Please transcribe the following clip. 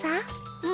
うん。